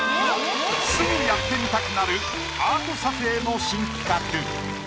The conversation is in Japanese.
すぐやってみたくなるアート査定の新企画。